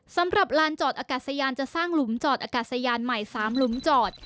สำหรับลานจอดอากาศยานจะสร้างหลุมจอดอากาศยานใหม่๓หลุมจอด